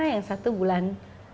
yang satu bulan